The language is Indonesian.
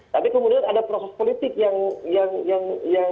tapi kemudian ada proses politik yang yang yang yang yang